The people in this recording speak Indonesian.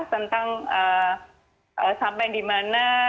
tentang sampai di mana